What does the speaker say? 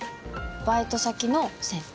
バイト先の先輩。